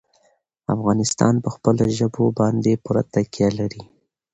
افغانستان په خپلو ژبو باندې پوره تکیه لري.